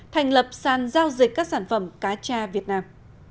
thành lập sàn giao dịch các sản phẩm cá cha việt nam